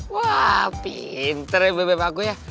wah pinter ya bebe paku ya